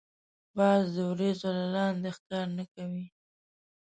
باز د وریځو له لاندی ښکار نه کوي